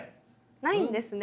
ないんですね。